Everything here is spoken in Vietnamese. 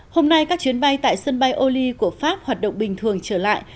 hôm nay các chuyến bay tại sân bay oli của pháp hoạt động bình thường trở lại